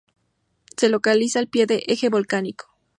Se localiza al pie del Eje Volcánico.